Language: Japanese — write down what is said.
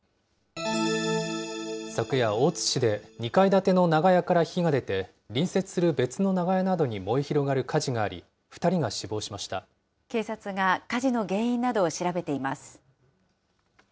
昨夜、大津市で２階建ての長屋から火が出て、隣接する別の長屋などに燃え広がる火事があり、２人が死亡しまし警察が火事の原因などを調べています。